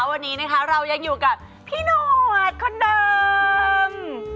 วันนี้นะคะเรายังอยู่กับพี่หนวดคนเดิม